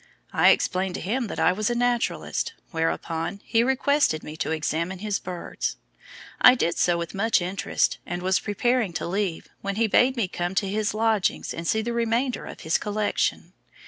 I explained to him that I was a naturalist, whereupon he requested me to examine his birds. I did so with much interest, and was preparing to leave, when he bade me come to his lodgings and see the remainder of his collection.